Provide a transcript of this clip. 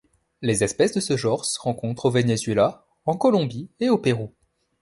Les espèces de ce genre se rencontrent au Venezuela, en Colombie et au Pérou.